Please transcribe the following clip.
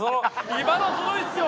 今のずるいっすよ！